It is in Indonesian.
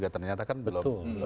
ternyata kan belum